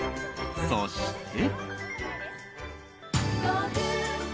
そして。